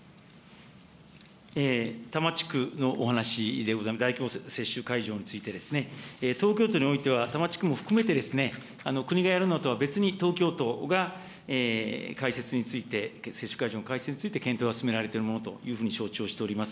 多摩地区のお話でございます、大規模接種会場についてですね、東京都においては、多摩地区も含めて国がやるのとは別に東京都が開設について、接種会場の設置について検討が進められているというものというふうに承知しております。